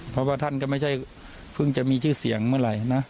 เพราะว่าท่านก็ไม่ใช่เพิ่งจะมีชื่อเสียงเมื่อไหร่นะ